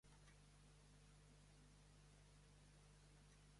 Ese año, Koxinga contrajo el paludismo y murió al año siguiente.